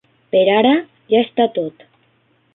Per ara ja està tot.